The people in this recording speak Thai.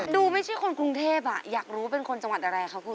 ดูไม่ใช่คนกรุงเทพอยากรู้เป็นคนจังหวัดอะไรคะคุณ